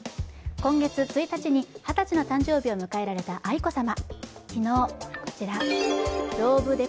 今月１日に二十歳の誕生日を迎えられた愛子さま。